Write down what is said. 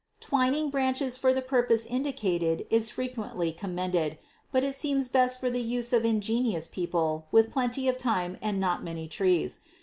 Twining branches for the purpose indicated is frequently commended, but it seems best for the use of ingenious people with plenty of time and not many trees.